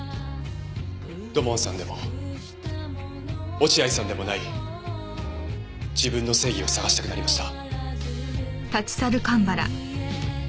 土門さんでも落合さんでもない自分の正義を探したくなりました。